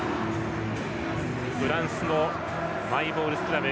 フランスのマイボールスクラム。